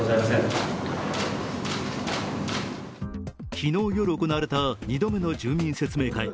昨日夜行われた２度目の住民説明会。